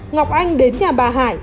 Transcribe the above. ngọc anh đến nhà bà hải